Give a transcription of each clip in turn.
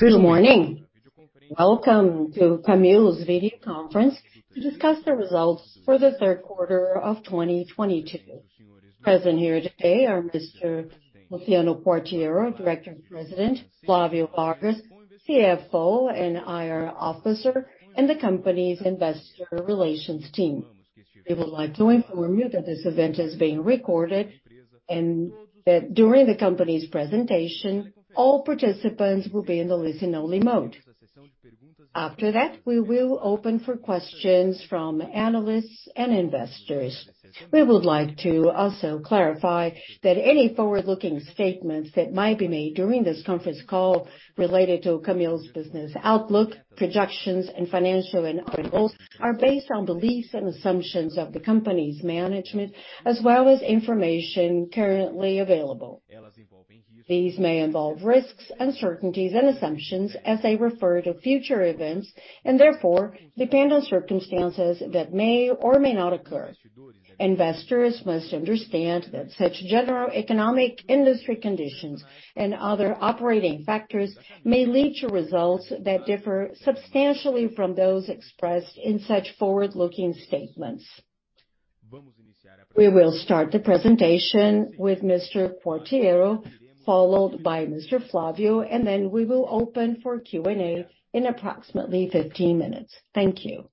Good morning. Welcome to Camil's video conference to discuss the results for the third quarter of 2022. Present here today are Mr. Luciano Quartiero, Director and President, Flavio Vargas, CFO and IR Officer, and the company's investor relations team. We would like to inform you that this event is being recorded and that during the company's presentation, all participants will be in the listen-only mode. After that, we will open for questions from analysts and investors. We would like to also clarify that any forward-looking statements that might be made during this conference call related to Camil's business outlook, projections, and financial and operating goals are based on beliefs and assumptions of the company's management, as well as information currently available. These may involve risks, uncertainties, and assumptions as they refer to future events, and therefore depend on circumstances that may or may not occur. Investors must understand that such general economic industry conditions and other operating factors may lead to results that differ substantially from those expressed in such forward-looking statements. We will start the presentation with Mr. Quartiero, followed by Mr. Vargas, then we will open for Q&A in approximately 15 minutes. Thank you.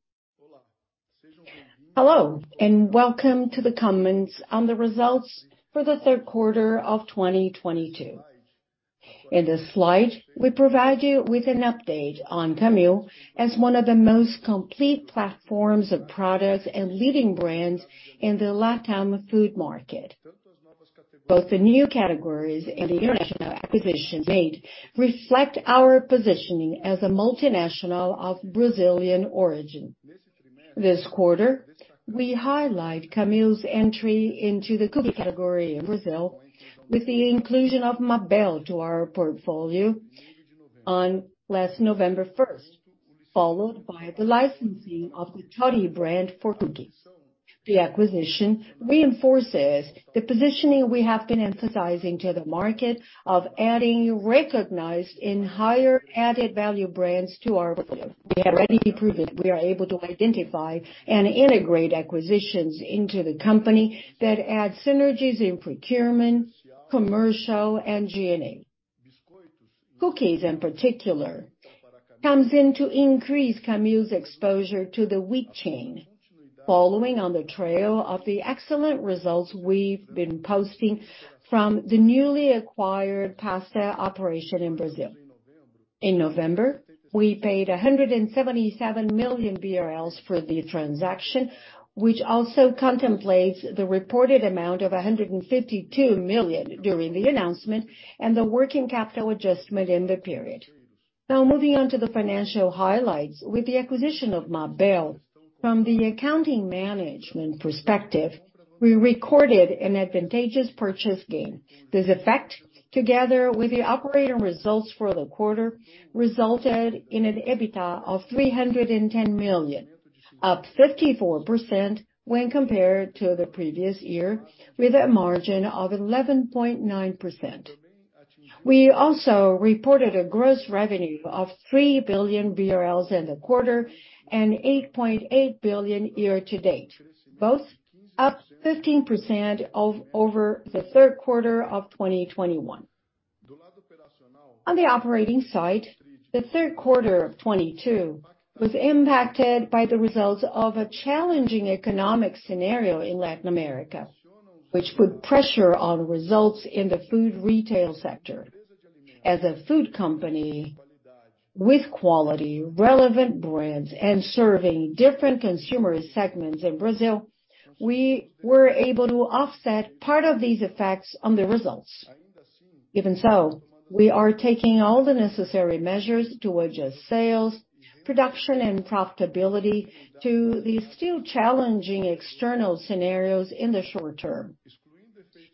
Hello, welcome to the comments on the results for the third quarter of 2022. In this slide, we provide you with an update on Camil as one of the most complete platforms of products and leading brands in the LatAm food market. Both the new categories and the international acquisitions made reflect our positioning as a multinational of Brazilian origin. This quarter, we highlight Camil's entry into the cookie category in Brazil with the inclusion of Mabel to our portfolio on last November 1st, followed by the licensing of the Toddy brand for cookie. The acquisition reinforces the positioning we have been emphasizing to the market of adding recognized and higher added value brands to our portfolio. We have already proven we are able to identify and integrate acquisitions into the company that add synergies in procurement, commercial, and G&A. Cookies in particular comes in to increase Camil's exposure to the wheat chain, following on the trail of the excellent results we've been posting from the newly acquired pasta operation in Brazil. In November, we paid 177 million BRL for the transaction, which also contemplates the reported amount of 152 million during the announcement and the working capital adjustment in the period. Now moving on to the financial highlights, with the acquisition of Mabel, from the accounting management perspective, we recorded an advantageous purchase gain. This effect, together with the operating results for the quarter, resulted in an EBITDA of 310 million, up 54% when compared to the previous year, with a margin of 11.9%. We also reported a gross revenue of 3 billion BRL in the quarter and 8.8 billion year-to-date, both up 15% over the third quarter of 2021. On the operating side, the third quarter of 2022 was impacted by the results of a challenging economic scenario in Latin America, which put pressure on results in the food retail sector. As a food company with quality, relevant brands, and serving different consumer segments in Brazil, we were able to offset part of these effects on the results. We are taking all the necessary measures to adjust sales, production, and profitability to the still challenging external scenarios in the short term.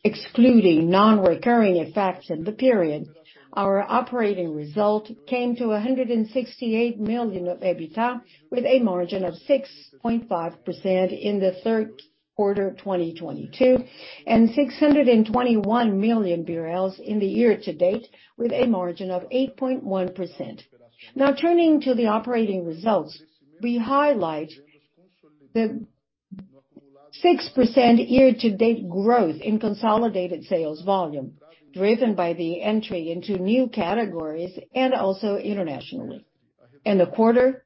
Excluding non-recurring effects in the period, our operating result came to 168 million of EBITDA, with a margin of 6.5% in the third quarter of 2022, and 621 million in the year-to-date with a margin of 8.1%. Turning to the operating results, we highlight the 6% year-to-date growth in consolidated sales volume, driven by the entry into new categories and also internationally. In the quarter,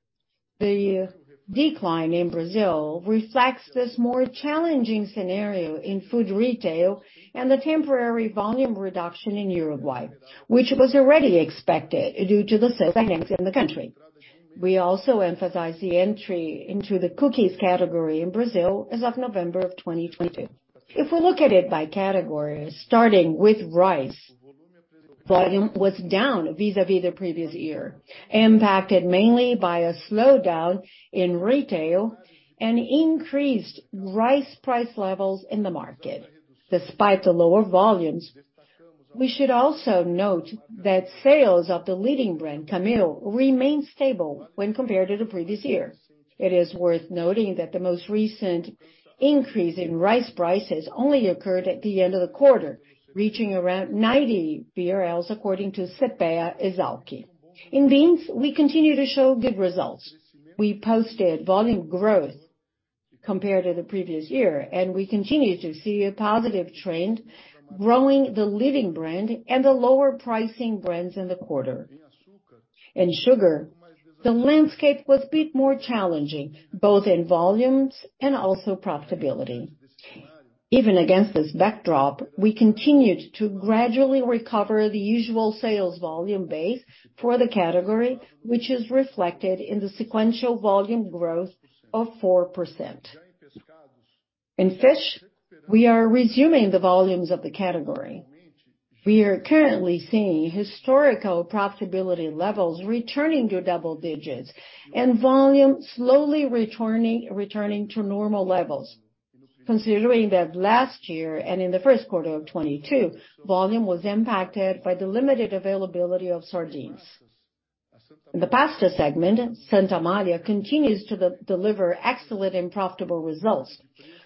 the decline in Brazil reflects this more challenging scenario in food retail and the temporary volume reduction in Uruguay, which was already expected due to the season in the country. We also emphasize the entry into the cookies category in Brazil as of November of 2022. If we look at it by category, starting with rice, volume was down vis-à-vis the previous year, impacted mainly by a slowdown in retail and increased rice price levels in the market. Despite the lower volumes, we should also note that sales of the leading brand, Camil, remained stable when compared to the previous year. It is worth noting that the most recent increase in rice prices only occurred at the end of the quarter, reaching around 90 BRL according to CEPEA/Esalq. In beans, we continue to show good results. We posted volume growth compared to the previous year, and we continue to see a positive trend growing the leading brand and the lower pricing brands in the quarter. In sugar, the landscape was a bit more challenging, both in volumes and also profitability. Even against this backdrop, we continued to gradually recover the usual sales volume base for the category, which is reflected in the sequential volume growth of 4%. In fish, we are resuming the volumes of the category. We are currently seeing historical profitability levels returning to double digits and volume slowly returning to normal levels. Considering that last year and in the first quarter of 2022, volume was impacted by the limited availability of sardines. In the pasta segment, Santa Amália continues to de-deliver excellent and profitable results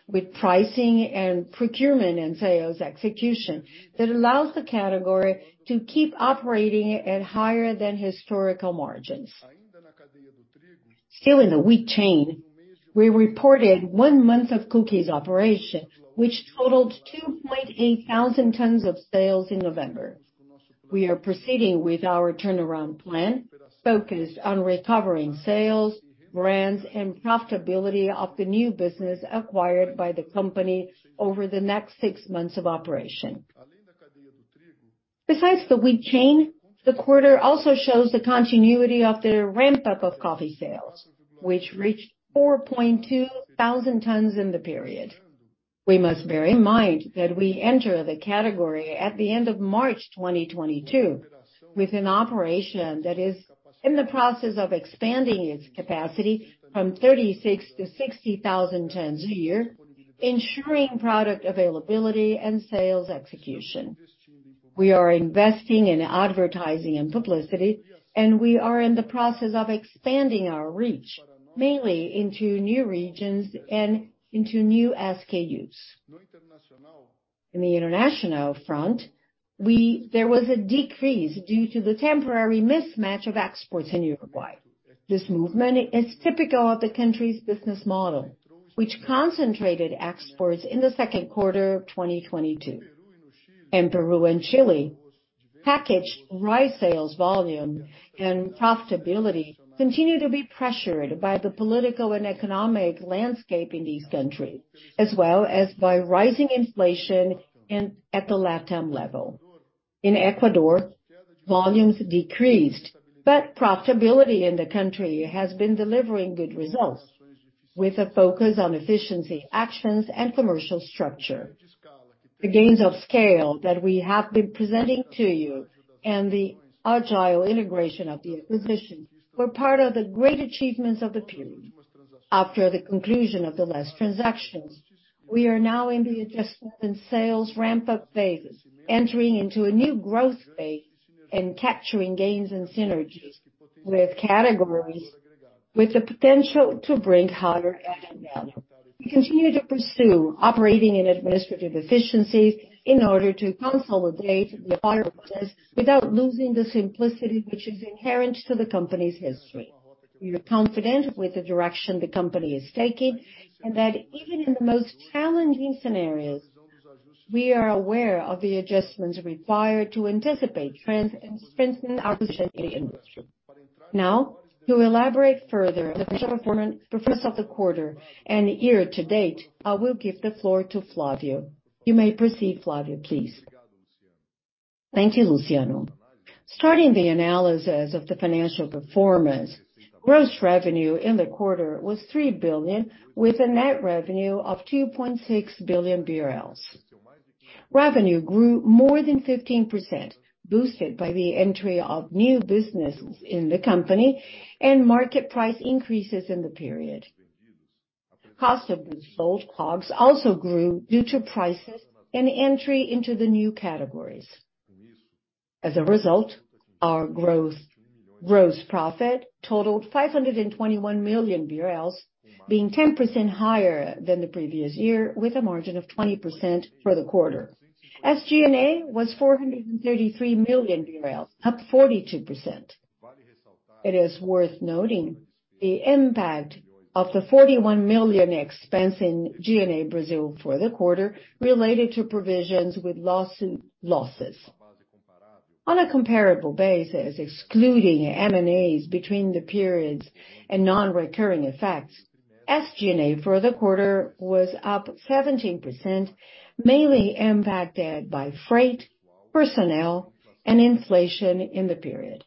with pricing and procurement and sales execution that allows the category to keep operating at higher than historical margins. Still in the wheat chain, we reported one month of cookies operation, which totaled 2,800 tons of sales in November. We are proceeding with our turnaround plan focused on recovering sales, brands, and profitability of the new business acquired by the company over the next six months of operation. Besides the wheat chain, the quarter also shows the continuity of the ramp-up of coffee sales, which reached 4,200 tons in the period. We must bear in mind that we enter the category at the end of March 2022, with an operation that is in the process of expanding its capacity from 36,000 to 60,000 tons a year, ensuring product availability and sales execution. We are investing in advertising and publicity, we are in the process of expanding our reach, mainly into new regions and into new SKUs. In the international front, there was a decrease due to the temporary mismatch of exports in Uruguay. This movement is typical of the country's business model, which concentrated exports in the second quarter of 2022. In Peru and Chile, packaged rice sales volume and profitability continued to be pressured by the political and economic landscape in these countries, as well as by rising inflation at the LatAm level. In Ecuador, volumes decreased, profitability in the country has been delivering good results with a focus on efficiency actions and commercial structure. The gains of scale that we have been presenting to you and the agile integration of the acquisition were part of the great achievements of the period. After the conclusion of the last transactions, we are now in the adjustment and sales ramp-up phases, entering into a new growth phase and capturing gains and synergies with categories with the potential to bring higher EBITDA. We continue to pursue operating and administrative efficiencies in order to consolidate the higher business without losing the simplicity which is inherent to the company's history. We are confident with the direction the company is taking, and that even in the most challenging scenarios, we are aware of the adjustments required to anticipate trends and strengthen our position in the industry. Now, to elaborate further the financial performance of the quarter and year-to-date, I will give the floor to Flavio. You may proceed, Flavio, please. Thank you, Luciano. Starting the analysis of the financial performance, gross revenue in the quarter was 3 billion, with a net revenue of 2.6 billion BRL. Revenue grew more than 15%, boosted by the entry of new businesses in the company and market price increases in the period. Cost of goods sold, COGS, also grew due to prices and entry into the new categories. Our gross profit totaled 521 million BRL, being 10% higher than the previous year, with a margin of 20% for the quarter. SG&A was 433 million BRL, up 42%. It is worth noting the impact of the 31 million expense in G&A Brazil for the quarter related to provisions with losses. On a comparable basis, excluding M&As between the periods and non-recurring effects, SG&A for the quarter was up 17%, mainly impacted by freight, personnel, and inflation in the period.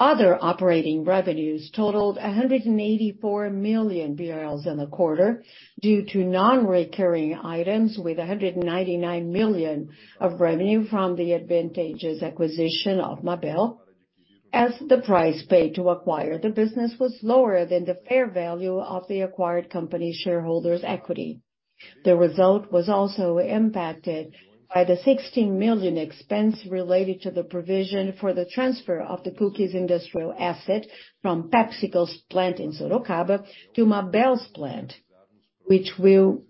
Other operating revenues totaled 184 million BRL in the quarter due to non-recurring items with 199 million of revenue from the advantageous acquisition of Mabel, as the price paid to acquire the business was lower than the fair value of the acquired company's shareholders' equity. The result was also impacted by the 16 million expense related to the provision for the transfer of the cookies industrial asset from PepsiCo's plant in Sorocaba to Mabel's plant, which we'll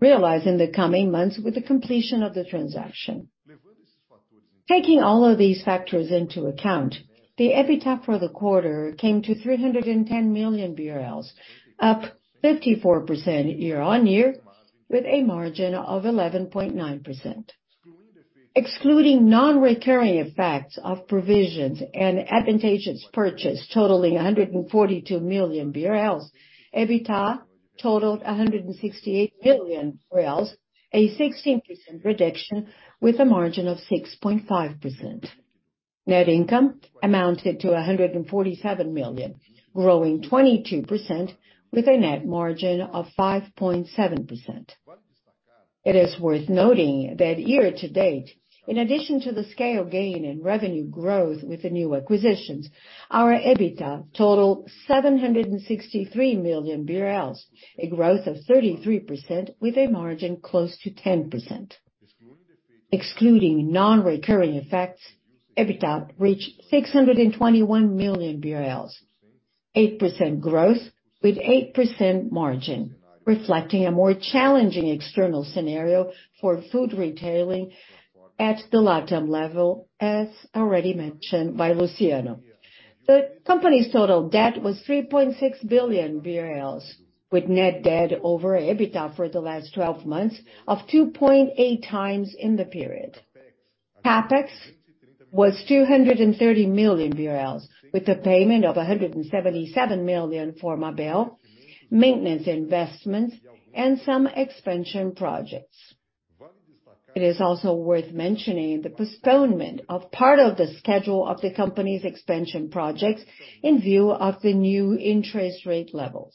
realize in the coming months with the completion of the transaction. Taking all of these factors into account, the EBITDA for the quarter came to 310 million BRL, up 54% year-on-year, with a margin of 11.9%. Excluding non-recurring effects of provisions and advantageous purchase totaling 142 million BRL, EBITDA totaled 168 million BRL, a 16% reduction with a margin of 6.5%. Net income amounted to 147 million, growing 22% with a net margin of 5.7%. It is worth noting that year-to-date, in addition to the scale gain in revenue growth with the new acquisitions, our EBITDA totaled 763 million BRL, a growth of 33% with a margin close to 10%. Excluding non-recurring effects, EBITDA reached 621 million BRL, 8% growth with 8% margin, reflecting a more challenging external scenario for food retailing at the LatAm level, as already mentioned by Luciano. The company's total debt was 3.6 billion BRL, with net debt over EBITDA for the last 12 months of 2.8x in the period. CapEx was 230 million BRL, with the payment of 177 million for Mabel, maintenance investments, and some expansion projects. It is also worth mentioning the postponement of part of the schedule of the company's expansion projects in view of the new interest rate levels.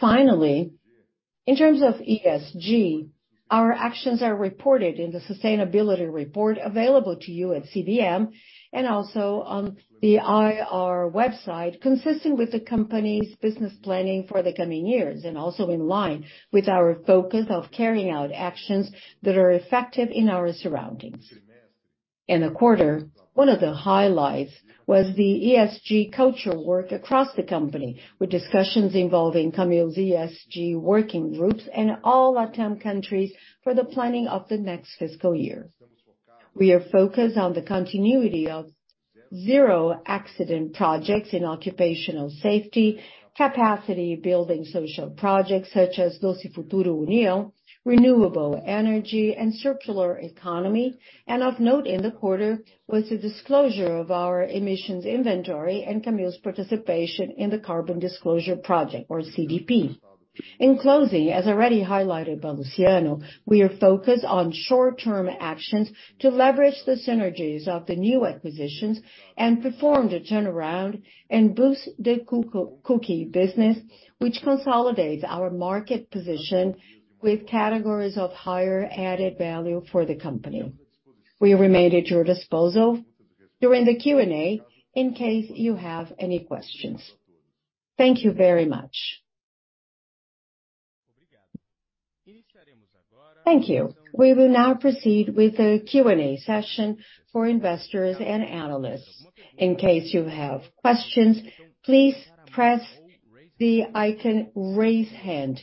Finally, in terms of ESG, our actions are reported in the sustainability report available to you at CVM and also on the IR website, consistent with the company's business planning for the coming years and also in line with our focus of carrying out actions that are effective in our surroundings. In the quarter, one of the highlights was the ESG cultural work across the company, with discussions involving Camil's ESG working groups in all LatAm countries for the planning of the next fiscal year. We are focused on the continuity of zero accident projects in occupational safety, capacity building social projects such as Doce Futuro União, renewable energy, and circular economy. Of note in the quarter was the disclosure of our emissions inventory and Camil's participation in the Carbon Disclosure Project or CDP. In closing, as already highlighted by Luciano, we are focused on short-term actions to leverage the synergies of the new acquisitions and perform the turnaround and boost the cook-cookie business, which consolidates our market position with categories of higher added value for the company. We remain at your disposal during the Q&A in case you have any questions. Thank you very much. Thank you. We will now proceed with the Q&A session for investors and analysts. In case you have questions, please press the icon raise hand.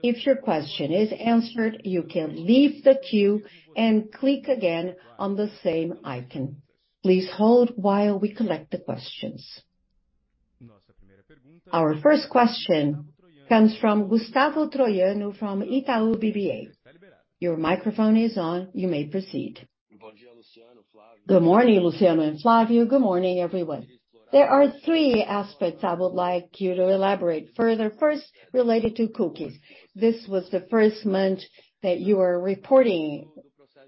If your question is answered, you can leave the queue and click again on the same icon. Please hold while we collect the questions. Our first question comes from Gustavo Troiano from Itaú BBA. Your microphone is on. You may proceed. Good morning, Luciano and Flavio. Good morning, everyone. There are three aspects I would like you to elaborate further. First, related to cookies. This was the first month that you are reporting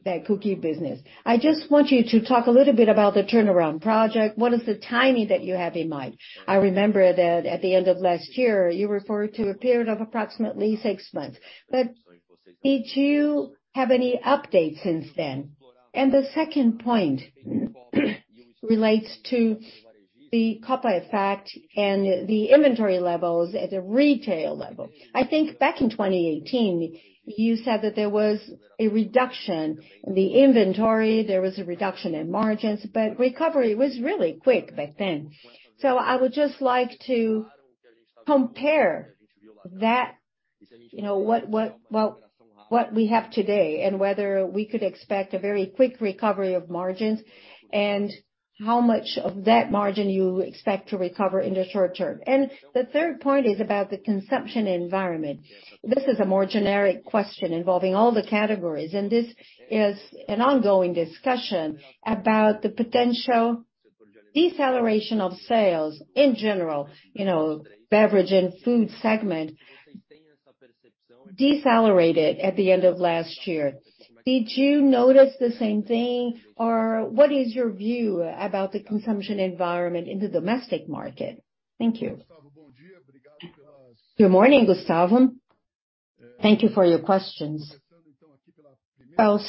that cookie business. I just want you to talk a little bit about the turnaround project. What is the timing that you have in mind? I remember that at the end of last year, you referred to a period of approximately six months. Did you have any updates since then? The second point relates to the carry-over effect and the inventory levels at the retail level. I think back in 2018, you said that there was a reduction in the inventory, there was a reduction in margins, but recovery was really quick back then. I would just like to compare that, you know, what we have today and whether we could expect a very quick recovery of margins and how much of that margin you expect to recover in the short term. The third point is about the consumption environment. This is a more generic question involving all the categories, and this is an ongoing discussion about the potential deceleration of sales in general. You know, beverage and food segment decelerated at the end of last year. Did you notice the same thing? What is your view about the consumption environment in the domestic market? Thank you. Good morning, Gustavo. Thank you for your questions.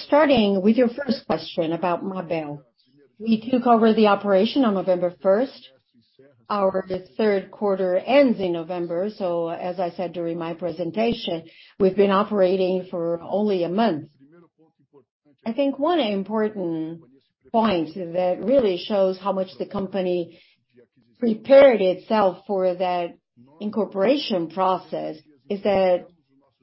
Starting with your first question about Mabel. We took over the operation on November 1st. Our third quarter ends in November. As I said during my presentation, we've been operating for only a month. I think one important point that really shows how much the company prepared itself for that incorporation process is that,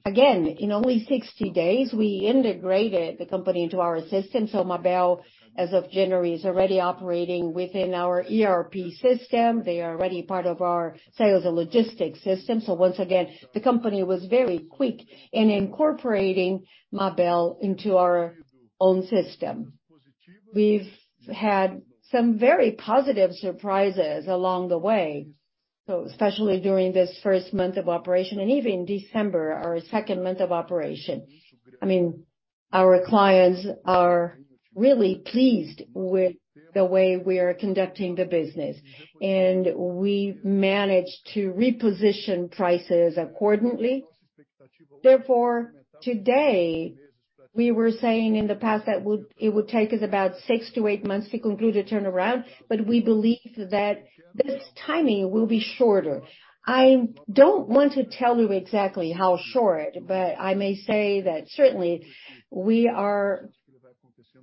again, in only 60 days, we integrated the company into our system. Mabel, as of January, is already operating within our ERP system. They are already part of our sales and logistics system. Once again, the company was very quick in incorporating Mabel into our own system. We've had some very positive surprises along the way, so especially during this first month of operation and even December, our second month of operation. I mean, our clients are really pleased with the way we are conducting the business, and we managed to reposition prices accordingly. Today, we were saying in the past that it would take us about 6-8 months to conclude a turnaround. We believe that this timing will be shorter. I don't want to tell you exactly how short. I may say that certainly we are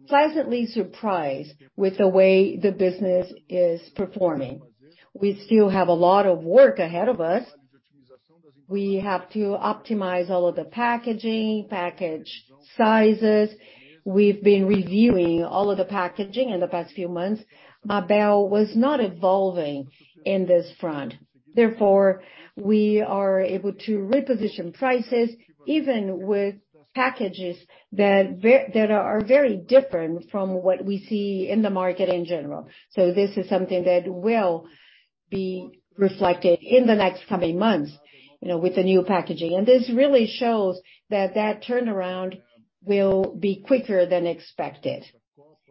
pleasantly surprised with the way the business is performing. We still have a lot of work ahead of us. We have to optimize all of the packaging, package sizes. We've been reviewing all of the packaging in the past few months. Mabel was not evolving in this front. Therefore, we are able to reposition prices even with packages that are very different from what we see in the market in general. This is something that will be reflected in the next coming months, you know, with the new packaging. This really shows that turnaround will be quicker than expected.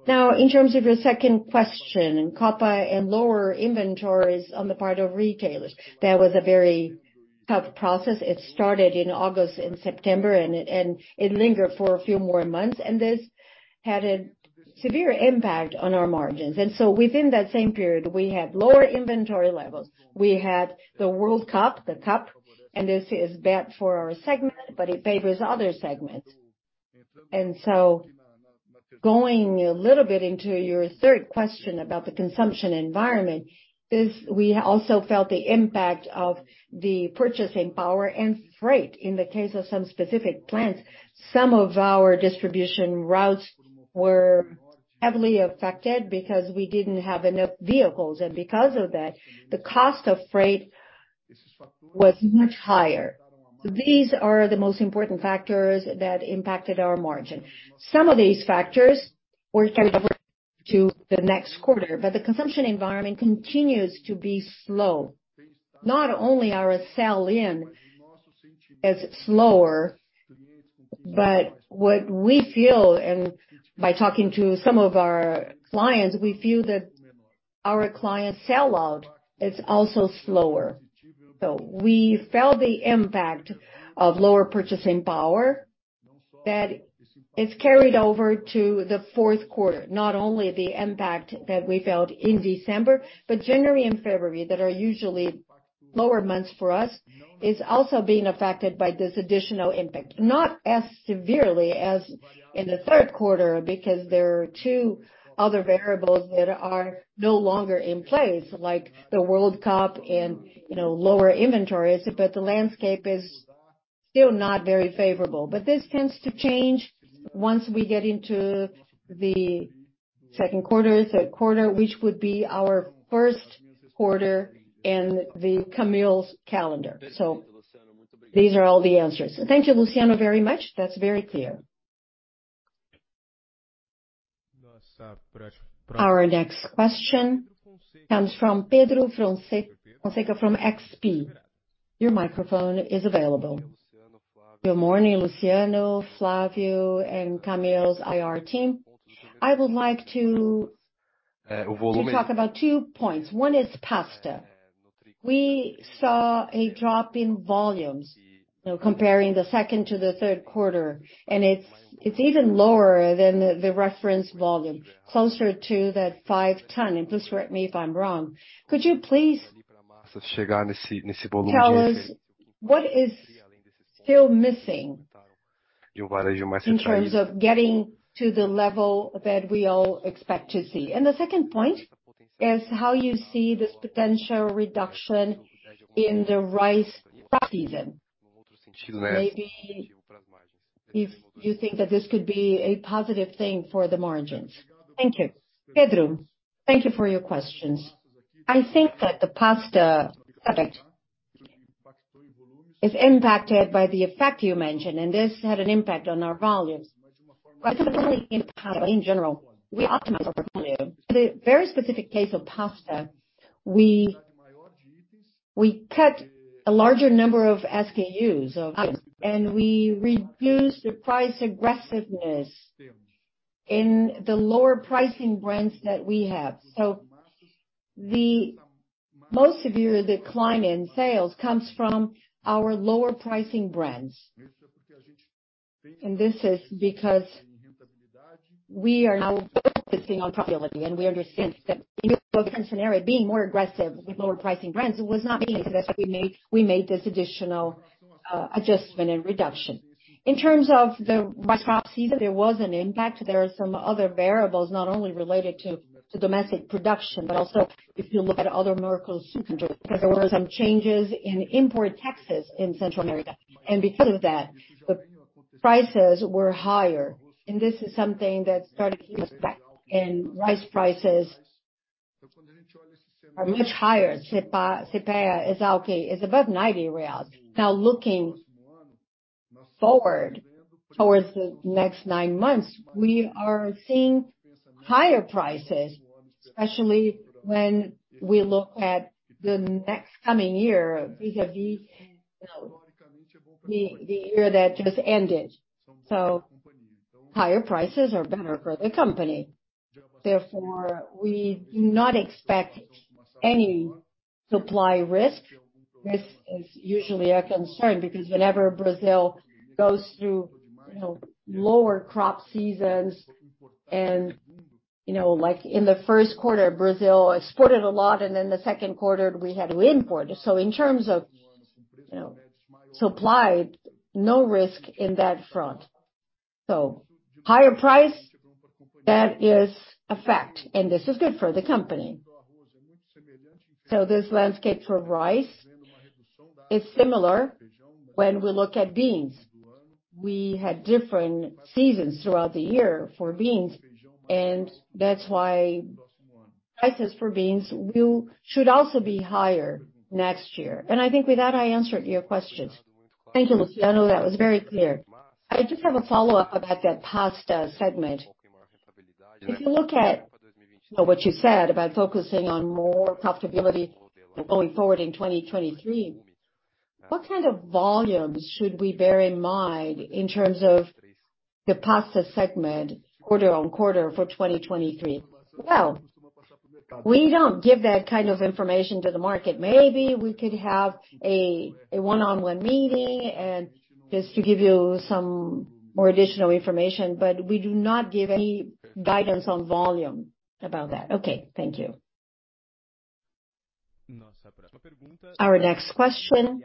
Now, in terms of your second question, in Copa and lower inventories on the part of retailers, that was a very tough process. It started in August and September, and it lingered for a few more months, and this had a severe impact on our margins. Within that same period, we had lower inventory levels. We had the World Cup, the Cup, and this is bad for our segment, but it favors other segments. Going a little bit into your third question about the consumption environment, we also felt the impact of the purchasing power and freight in the case of some specific plants. Some of our distribution routes were heavily affected because we didn't have enough vehicles, and because of that, the cost of freight was much higher. These are the most important factors that impacted our margin. Some of these factors were carried over to the next quarter. The consumption environment continues to be slow. Not only our sell-in is slower, but what we feel and by talking to some of our clients, we feel that our clients' sell-out is also slower. We felt the impact of lower purchasing power that is carried over to the fourth quarter, not only the impact that we felt in December, but January and February that are usually lower months for us is also being affected by this additional impact. Not as severely as in the third quarter because there are two other variables that are no longer in place, like the World Cup and, you know, lower inventories, but the landscape is still not very favorable. This tends to change once we get into the second quarter, third quarter, which would be our first quarter in the Camil's calendar. These are all the answers. Thank you, Luciano, very much. That's very clear. Our next question comes from Pedro Fonseca from XP. Your microphone is available. Good morning, Luciano, Flavio, and Camil's IR team. I would like to talk about two points. One is pasta. We saw a drop in volumes, you know, comparing the second to the third quarter. It's even lower than the reference volume, closer to that 5 tons. Please correct me if I'm wrong. Could you please tell us what is still missing in terms of getting to the level that we all expect to see? The second point is how you see this potential reduction in the rice season. Maybe if you think that this could be a positive thing for the margins. Thank you. Pedro, thank you for your questions. I think that the pasta subject is impacted by the effect you mentioned. This had an impact on our volumes. Specifically in pasta, in general, we optimize our portfolio. The very specific case of pasta, we cut a larger number of SKUs of items, and we reduced the price aggressiveness in the lower pricing brands that we have. The most severe decline in sales comes from our lower pricing brands. This is because we are now focusing on profitability, and we understand that in a different scenario, being more aggressive with lower pricing brands was not easy. That's why we made this additional adjustment and reduction. In terms of the rice crop season, there was an impact. There are some other variables, not only related to domestic production, but also if you look at other mercados there were some changes in import taxes in Central America. Because of that, the prices were higher. This is something that started to hit us back. Rice prices are much higher. CEPEA is okay, is above 90 reais. Looking forward towards the next nine months, we are seeing higher prices, especially when we look at the next coming year, vis-a-vis, you know, the year that just ended. Higher prices are better for the company. Therefore, we do not expect any supply risk. Risk is usually a concern because whenever Brazil goes through, you know, lower crop seasons and, you know, like in the first quarter, Brazil exported a lot and in the second quarter, we had to import. In terms of, you know, supply, no risk in that front. Higher price, that is a fact, and this is good for the company. This landscape for rice is similar when we look at beans. We had different seasons throughout the year for beans, that's why prices for beans should also be higher next year. I think with that, I answered your questions. Thank you, Luciano. That was very clear. I just have a follow-up about that pasta segment. If you look at what you said about focusing on more profitability going forward in 2023, what kind of volumes should we bear in mind in terms of the pasta segment quarter-on-quarter for 2023? Well, we don't give that kind of information to the market. Maybe we could have a one-on-one meeting and just to give you some more additional information, we do not give any guidance on volume about that. Okay, thank you. Our next question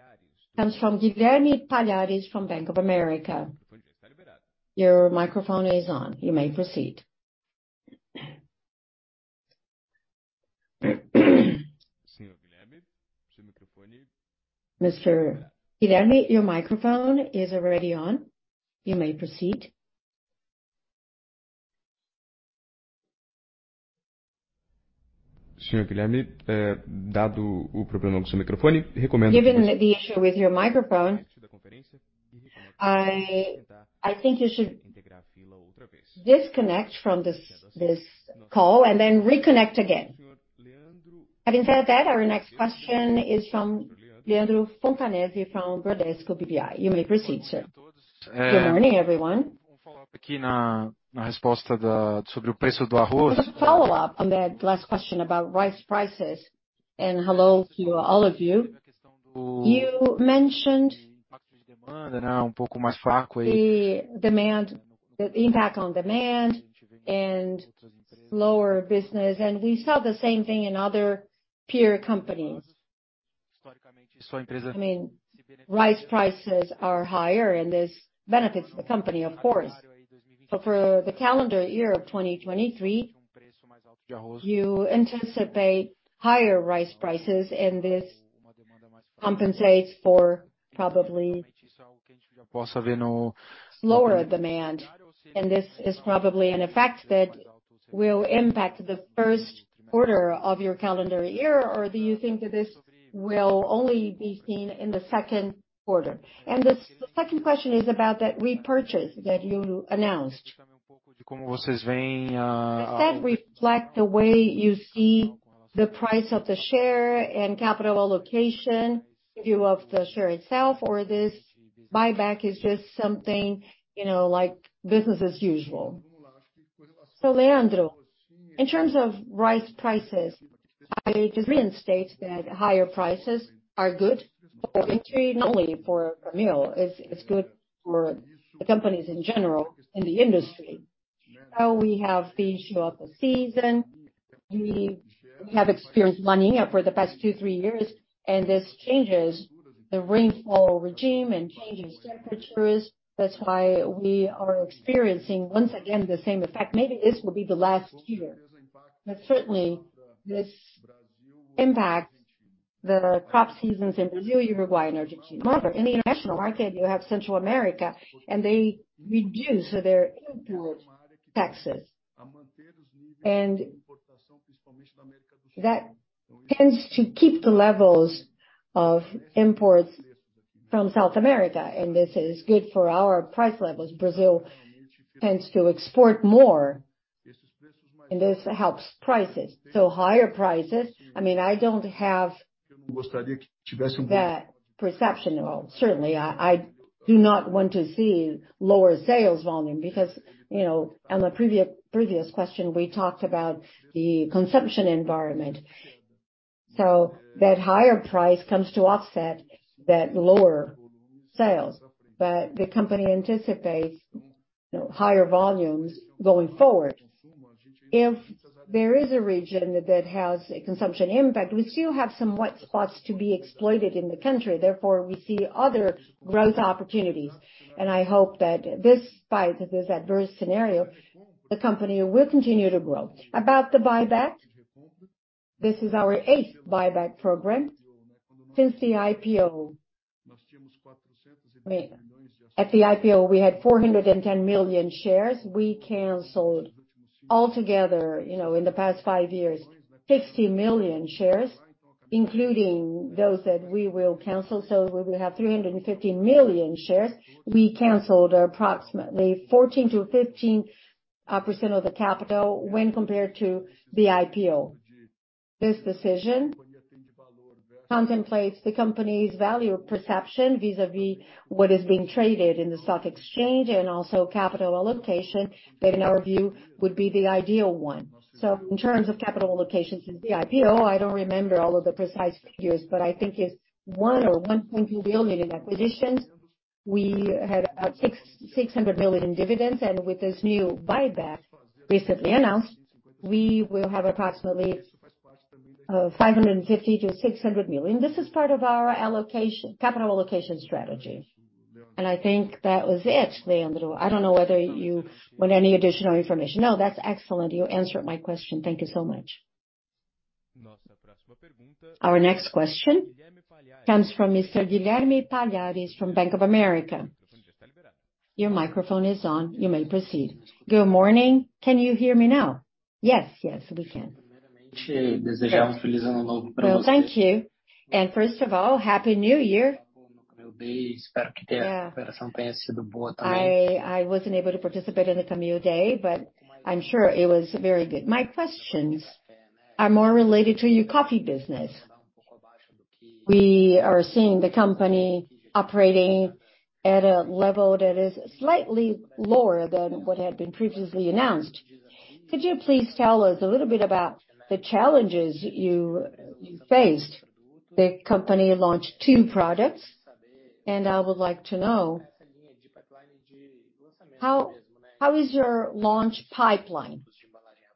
comes from Guilherme Palhares from Bank of America. Your microphone is on. You may proceed. Mr. Guilherme, your microphone is already on. You may proceed. Given the issue with your microphone, I think you should disconnect from this call and then reconnect again. Having said that, our next question is from Leandro Fontanesi from Bradesco BBI. You may proceed, sir. Good morning, everyone. As a follow-up on that last question about rice prices, and hello to all of you. You mentioned the impact on demand and lower business, and we saw the same thing in other peer companies. I mean rice prices are higher and this benefits the company, of course. For the calendar year of 2023, you anticipate higher rice prices and this compensates for probably lower demand. This is probably an effect that will impact the first quarter of your calendar year. Do you think that this will only be seen in the second quarter? The second question is about that repurchase that you announced. Does that reflect the way you see the price of the share and capital allocation view of the share itself, or this buyback is just something, you know, like business as usual? Leandro, in terms of rice prices, I just reinstate that higher prices are good for the country, not only for Camil. It's good for the companies in general in the industry. Now we have the issue of the season. We have experienced La Niña for the past two, three years, and this changes the rainfall regime and changes temperatures. That's why we are experiencing, once again, the same effect. Maybe this will be the last year. Certainly this impacts the crop seasons in Brazil, Uruguay and Argentina. Moreover, in the international market, you have Central America, and they reduce their import taxes. That tends to keep the levels of imports from South America, and this is good for our price levels. Brazil tends to export more, and this helps prices. Higher prices, I mean, I don't have that perception at all. Certainly, I do not want to see lower sales volume because, you know, on the previous question, we talked about the consumption environment. That higher price comes to offset that lower sales. The company anticipates higher volumes going forward. If there is a region that has a consumption impact, we still have some white spots to be exploited in the country, therefore, we see other growth opportunities. I hope that despite this adverse scenario, the company will continue to grow. About the buyback, this is our eighth buyback program since the IPO. I mean, at the IPO, we had 410 million shares. We canceled altogether, you know, in the past five years, 60 million shares, including those that we will cancel. We will have 350 million shares. We canceled approximately 14%-15% of the capital when compared to the IPO. This decision contemplates the company's value perception vis-à-vis what is being traded in the stock exchange and also capital allocation that in our view, would be the ideal one. In terms of capital allocations since the IPO, I don't remember all of the precise figures, but I think it's 1 billion or 1.2 billion in acquisitions. We had 600 million in dividends. With this new buyback recently announced, we will have approximately 550 million-600 million. This is part of our capital allocation strategy. I think that was it, Leandro. I don't know whether you want any additional information. That's excellent. You answered my question. Thank you so much. Our next question comes from Mr. Guilherme Palhares from Bank of America. Your microphone is on. You may proceed. Good morning. Can you hear me now? Yes. Yes, we can. Well, thank you. First of all, Happy New Year. I wasn't able to participate in the Camil Day, but I'm sure it was very good. My questions are more related to your coffee business. We are seeing the company operating at a level that is slightly lower than what had been previously announced. Could you please tell us a little bit about the challenges you faced? The company launched two products, and I would like to know how is your launch pipeline?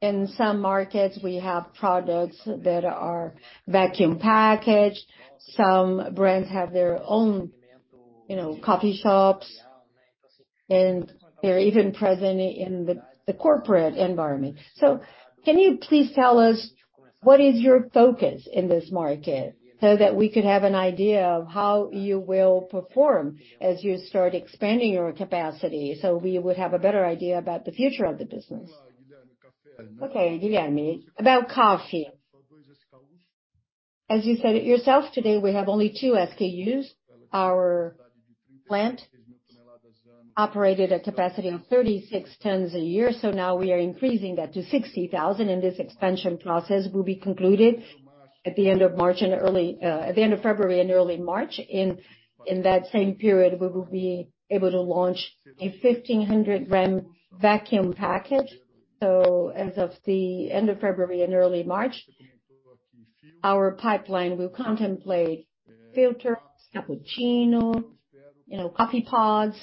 In some markets, we have products that are vacuum packaged. Some brands have their own, you know, coffee shops, and they're even present in the corporate environment. Can you please tell us what is your focus in this market so that we could have an idea of how you will perform as you start expanding your capacity, so we would have a better idea about the future of the business. Okay, Guilherme. About coffee, as you said it yourself, today we have only two SKUs. Our plant operated at capacity of 36 tons a year. Now we are increasing that to 60,000 tons, and this expansion process will be concluded at the end of February and early March. In that same period, we will be able to launch a 1,500 gram vacuum package. As of the end of February and early March, our pipeline will contemplate filter, cappuccino, you know, coffee pods.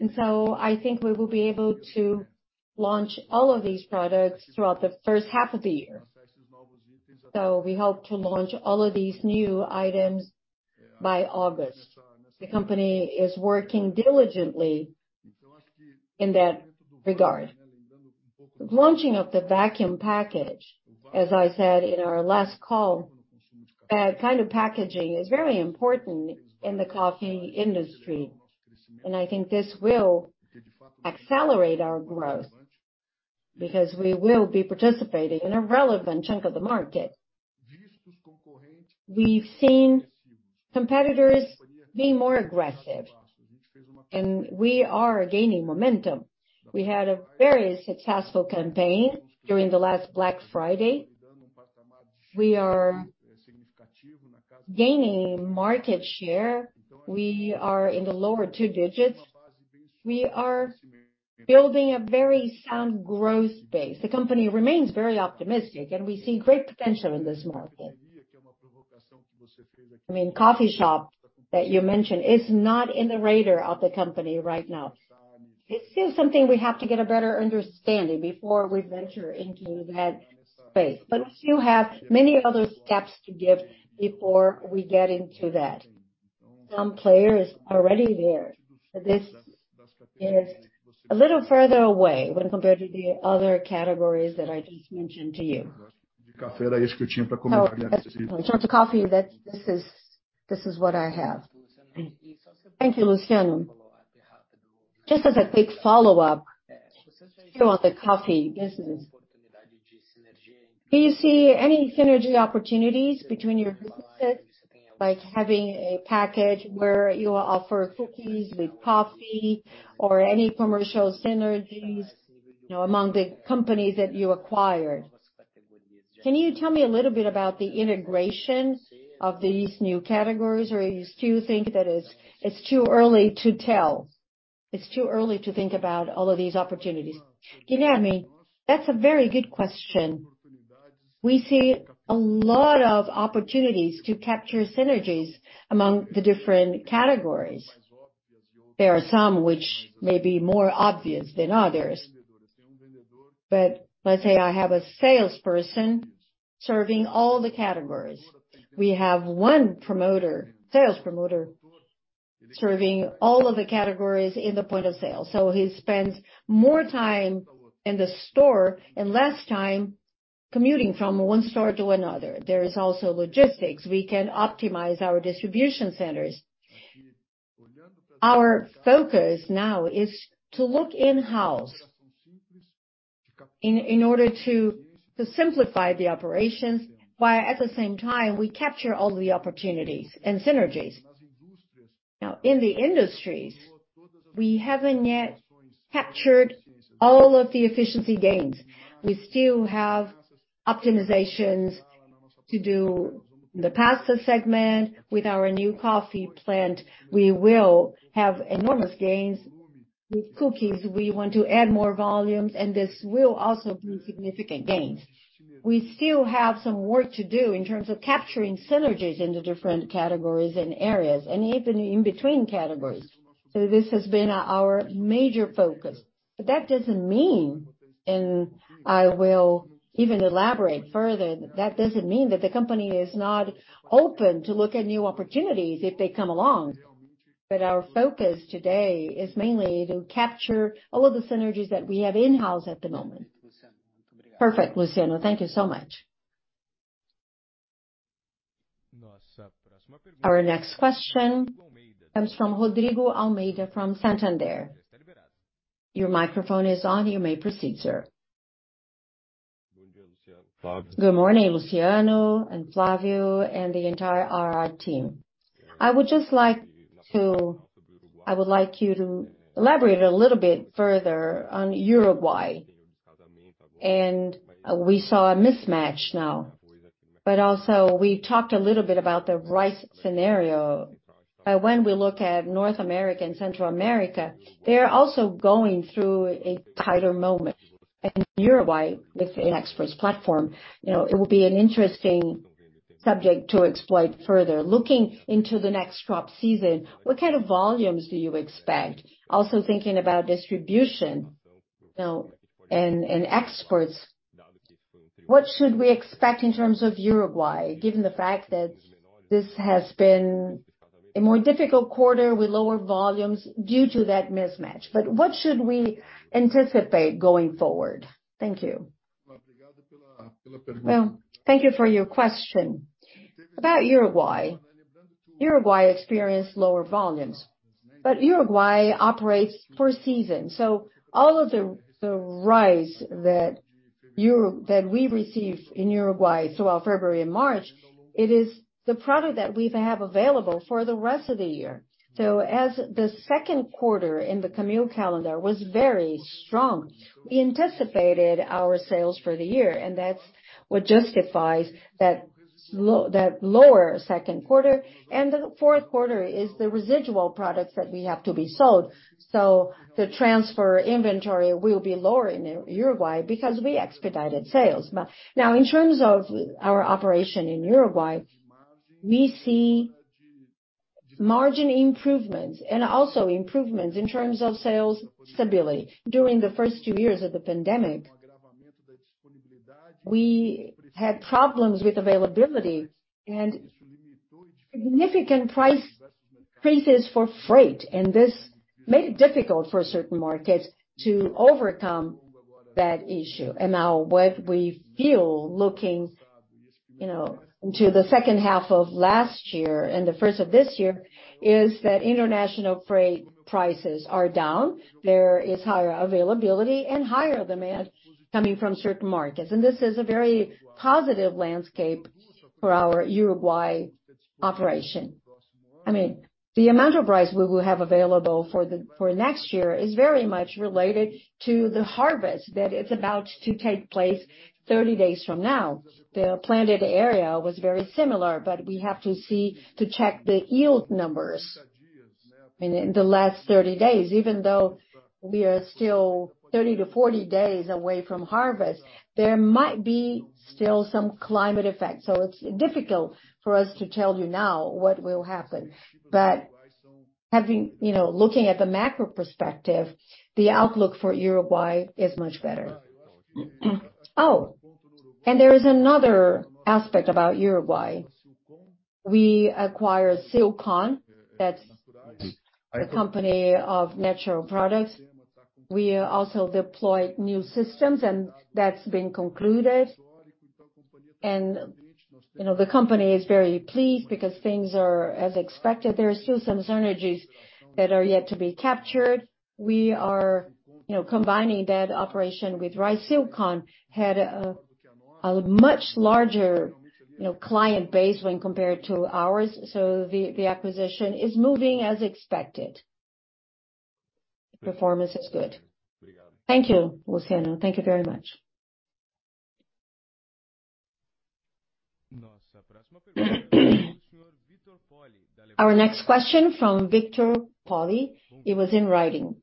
I think we will be able to launch all of these products throughout the first half of the year. We hope to launch all of these new items by August. The company is working diligently in that regard. The launching of the vacuum package, as I said in our last call, kind of packaging is very important in the coffee industry, and I think this will accelerate our growth because we will be participating in a relevant chunk of the market. We've seen competitors being more aggressive, and we are gaining momentum. We had a very successful campaign during the last Black Friday. We are gaining market share. We are in the lower two digits. We are building a very sound growth base. The company remains very optimistic. We see great potential in this market. I mean, coffee shop that you mentioned is not in the radar of the company right now. This is something we have to get a better understanding before we venture into that space. We still have many other steps to give before we get into that. Some players are already there. This is a little further away when compared to the other categories that I just mentioned to you. In terms of coffee, that this is what I have. Thank you, Luciano. Just as a quick follow-up throughout the coffee business. Do you see any synergy opportunities between your businesses, like having a package where you offer cookies with coffee or any commercial synergies, you know, among the companies that you acquired? Can you tell me a little bit about the integration of these new categories or you still think that it's too early to tell? It's too early to think about all of these opportunities. Guilherme, that's a very good question. We see a lot of opportunities to capture synergies among the different categories. There are some which may be more obvious than others. Let's say I have a salesperson serving all the categories. We have one promoter, sales promoter, serving all of the categories in the point of sale. He spends more time in the store and less time commuting from one store to another. There is also logistics. We can optimize our distribution centers. Our focus now is to look in-house in order to simplify the operations, while at the same time we capture all the opportunities and synergies. In the industries, we haven't yet captured all of the efficiency gains. We still have optimizations to do in the pasta segment. With our new coffee plant, we will have enormous gains. With cookies, we want to add more volumes, and this will also bring significant gains. We still have some work to do in terms of capturing synergies in the different categories and areas, and even in between categories. This has been our major focus. That doesn't mean, and I will even elaborate further, that doesn't mean that the company is not open to look at new opportunities if they come along. Our focus today is mainly to capture all of the synergies that we have in-house at the moment. Perfect, Luciano. Thank you so much. Our next question comes from Rodrigo Almeida from Santander. Your microphone is on. You may proceed, sir. Good morning, Luciano and Flavio and the entire IR team. I would like you to elaborate a little bit further on Uruguay. We saw a mismatch now, but also we talked a little bit about the rice scenario. When we look at North America and Central America, they're also going through a tighter moment. Uruguay, with an export platform, you know, it will be an interesting subject to exploit further. Looking into the next crop season, what kind of volumes do you expect? Also thinking about distribution, you know, and exports, what should we expect in terms of Uruguay, given the fact that this has been a more difficult quarter with lower volumes due to that mismatch? What should we anticipate going forward? Thank you. Well, thank you for your question. About Uruguay experienced lower volumes. Uruguay operates for a season. All of the rice that we receive in Uruguay throughout February and March, it is the product that we have available for the rest of the year. As the second quarter in the Camil calendar was very strong, we anticipated our sales for the year, and that's what justifies that lower second quarter. The fourth quarter is the residual products that we have to be sold. The transfer inventory will be lower in Uruguay because we expedited sales. Now in terms of our operation in Uruguay, we see margin improvements and also improvements in terms of sales stability. During the first two years of the pandemic, we had problems with availability and significant price increases for freight, and this made it difficult for certain markets to overcome that issue. Now what we feel looking, you know, into the second half of last year and the first of this year, is that international freight prices are down. There is higher availability and higher demand coming from certain markets. This is a very positive landscape for our Uruguay operation. I mean, the amount of rice we will have available for next year is very much related to the harvest that is about to take place 30 days from now. The planted area was very similar, but we have to see to check the yield numbers in the last 30 days. Even though we are still 30-40 days away from harvest, there might be still some climate effects. It's difficult for us to tell you now what will happen. You know, looking at the macro perspective, the outlook for Uruguay is much better. There is another aspect about Uruguay. We acquired Silcom, that's a company of natural products. We also deployed new systems, and that's been concluded. You know, the company is very pleased because things are as expected. There are still some synergies that are yet to be captured. We are, you know, combining that operation with rice. Silcom had a much larger, you know, client base when compared to ours. The acquisition is moving as expected. The performance is good. Thank you, Luciano. Thank you very much. Our next question from Victor Poli. It was in writing.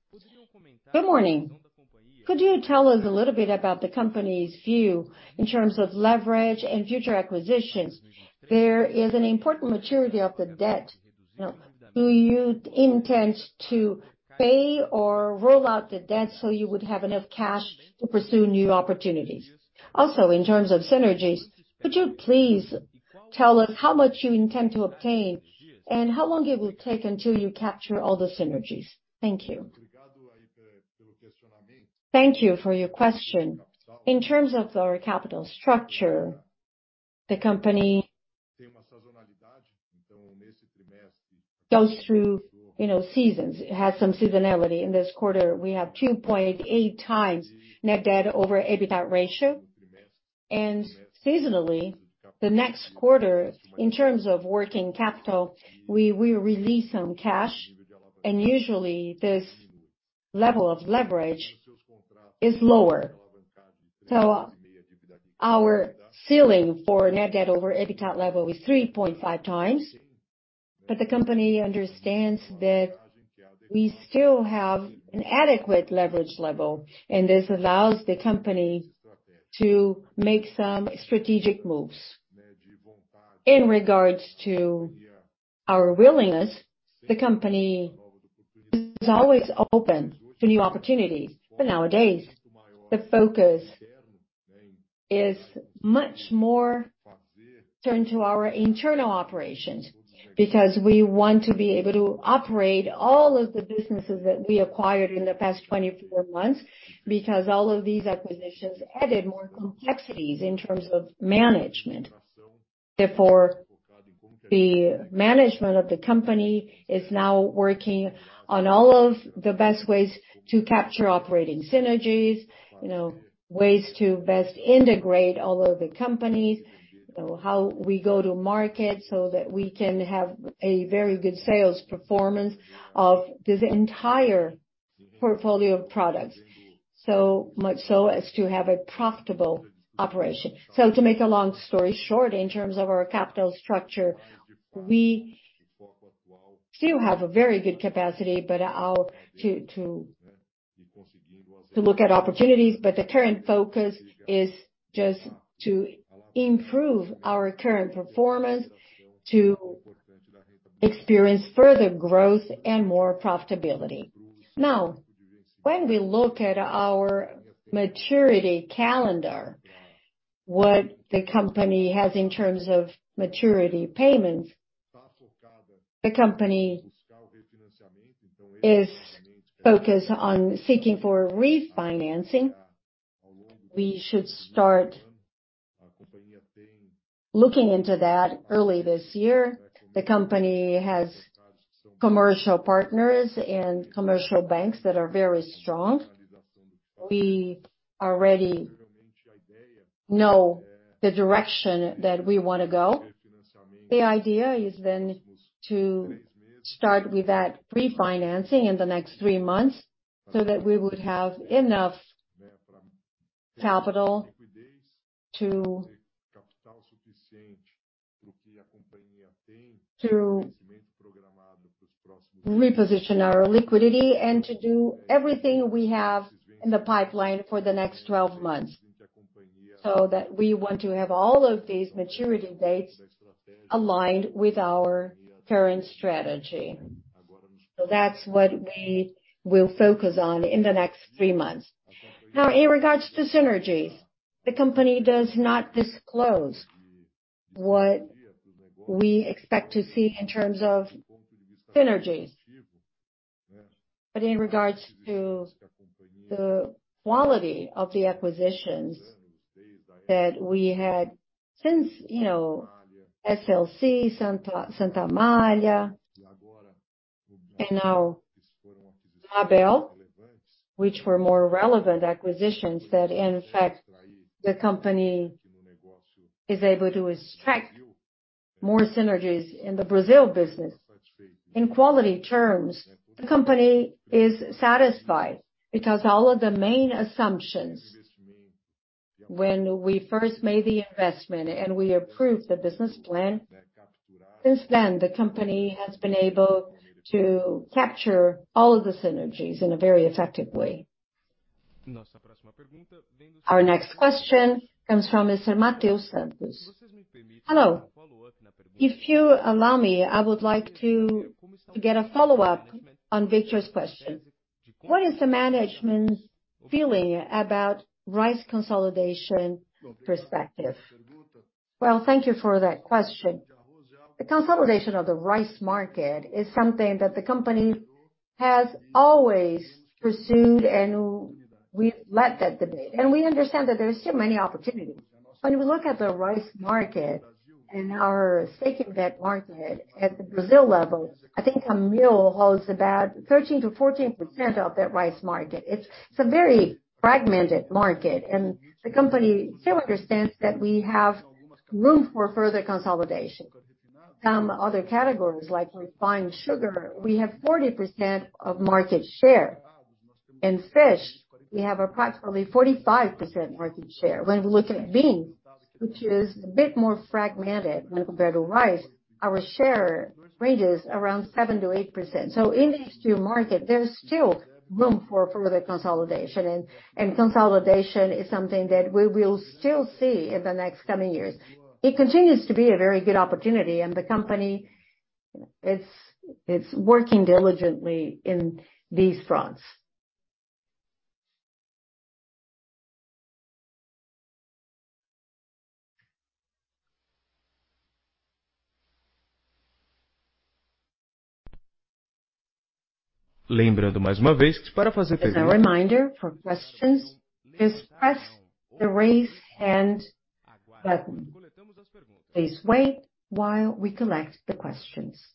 Good morning. Could you tell us a little bit about the company's view in terms of leverage and future acquisitions? There is an important maturity of the debt. Do you intend to pay or roll out the debt so you would have enough cash to pursue new opportunities? In terms of synergies, could you please tell us how much you intend to obtain and how long it will take until you capture all the synergies? Thank you. Thank you for your question. In terms of our capital structure, the company goes through, you know, seasons. It has some seasonality. In this quarter, we have 2.8x net debt over EBITDA ratio. Seasonally, the next quarter, in terms of working capital, we release some cash, and usually this level of leverage is lower. Our ceiling for net debt over EBITDA level is 3.5x. The company understands that we still have an adequate leverage level, and this allows the company to make some strategic moves. In regards to our willingness, the company is always open to new opportunities. Nowadays, the focus is much more turned to our internal operations, because we want to be able to operate all of the businesses that we acquired in the past 24 months, because all of these acquisitions added more complexities in terms of management. The management of the company is now working on all of the best ways to capture operating synergies, you know, ways to best integrate all of the companies, how we go to market so that we can have a very good sales performance of this entire portfolio of products, so much so as to have a profitable operation. To make a long story short, in terms of our capital structure, we still have a very good capacity, but to look at opportunities, but the current focus is just to improve our current performance to experience further growth and more profitability. When we look at our maturity calendar, what the company has in terms of maturity payments, the company is focused on seeking for refinancing. We should start looking into that early this year. The company has commercial partners and commercial banks that are very strong. We already know the direction that we wanna go. The idea is to start with that refinancing in the next three months so that we would have enough capital to reposition our liquidity and to do everything we have in the pipeline for the next 12 months, so that we want to have all of these maturity dates aligned with our current strategy. That's what we will focus on in the next three months. In regards to synergies, the company does not disclose what we expect to see in terms of synergies. In regards to the quality of the acquisitions that we had since, you know, SLC, Santa Amália, and now Mabel, which were more relevant acquisitions that in fact, the company is able to extract more synergies in the Brazil business. In quality terms, the company is satisfied because all of the main assumptions when we first made the investment and we approved the business plan, since then, the company has been able to capture all of the synergies in a very effective way. Our next question comes from Mr. Matheus Santos. Hello. If you allow me, I would like to get a follow-up on Victor's question. What is the management's feeling about rice consolidation perspective? Thank you for that question. The consolidation of the rice market is something that the company has always pursued, and we've led that debate. We understand that there are still many opportunities. When we look at the rice market and our stake in that market at the Brazil level, I think Camil holds about 13%-14% of that rice market. It's a very fragmented market. The company still understands that we have room for further consolidation. Some other categories, like refined sugar, we have 40% of market share. In fish, we have approximately 45% market share. When we look at beans, which is a bit more fragmented when compared to rice, our share ranges around 7%-8%. In these two markets, there's still room for further consolidation. Consolidation is something that we will still see in the next coming years. It continues to be a very good opportunity. The company, it's working diligently in these fronts. As a reminder, for questions, just press the Raise Hand button. Please wait while we collect the questions.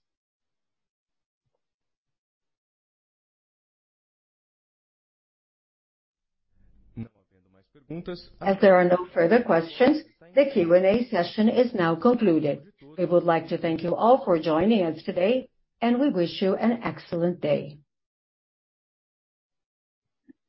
As there are no further questions, the Q&A session is now concluded. We would like to thank you all for joining us today, and we wish you an excellent day.